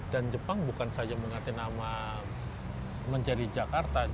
dan jepang bukan saja mengganti nama menjadi jakarta